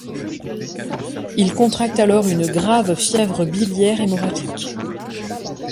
Il contracte alors une grave fièvre biliaire hémorragique.